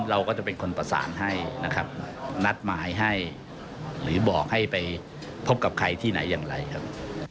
เราก็จะเป็นคนประสานให้นะครับนัดหมายให้หรือบอกให้ไปพบกับใครที่ไหนอย่างไรครับ